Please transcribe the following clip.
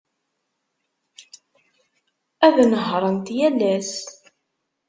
Ad nehhṛent yal ass.